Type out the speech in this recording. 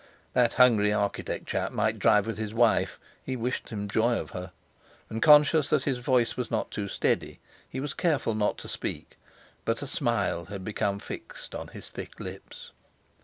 That hungry architect chap might drive with his wife—he wished him joy of her! And, conscious that his voice was not too steady, he was careful not to speak; but a smile had become fixed on his thick lips.